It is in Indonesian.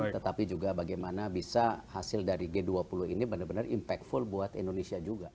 tetapi juga bagaimana bisa hasil dari g dua puluh ini benar benar impactful buat indonesia juga